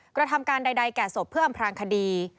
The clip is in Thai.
กระทำการใดแก่ศพเพื่ออำพลางคดี